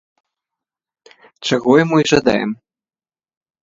Чаго яму і жадаем.